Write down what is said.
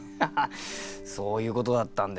そういうことだったんですね。